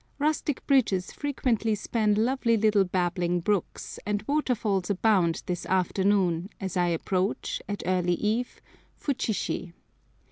Rustic bridges frequently span lovely little babbling brooks, and waterfalls abound this afternoon as I approach, at early eve, Futshishi.